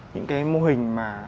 những cái mô hình mà